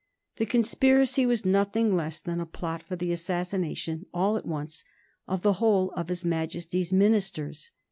The conspiracy was nothing less than a plot for the assassination, all at once, of the whole of his Majesty's ministers.